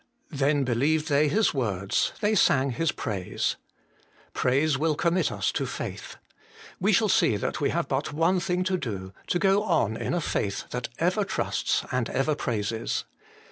'Then believed they His words ; they sang His praise.' Praise will commit us to faith : we shall see that we have but one thing to do, to go on in a faith that ever trusts and ever praises.